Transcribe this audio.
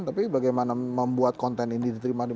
tapi bagaimana membuat konten ini diterima oleh bnpt